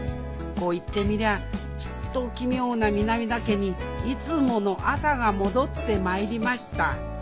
こう言ってみりゃあちっと奇妙な南田家にいつもの朝が戻ってまいりました。